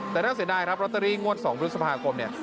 แต่ถ้าเสียดายครับต้นิกประกอบต่อกวัน๒ประกอบ